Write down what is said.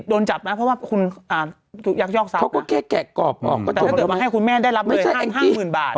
โดนจับนะเขาก็แกะแกะกรอบออกผมมาให้คุณแม่ได้รับเงิน๕๐๐๐๐บาท